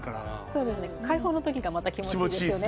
そうですね解放の時がまた気持ちいいですよね。